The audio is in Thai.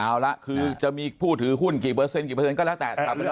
คุณอยู่จะมีผู้ถือหุ้นกี่โปรเซ็นต์กี่โปรเซ็นต์ก็แล้วแต่